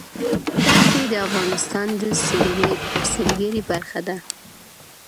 دښتې د افغانستان د سیلګرۍ برخه ده.